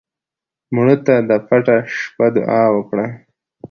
مړه ته د پټه شپه دعا وکړه